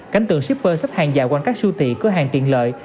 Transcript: cánh tường shipper sắp hàng dạo quanh các siêu thị cửa hàng tiện lợi